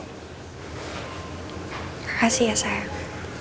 makasih ya sayang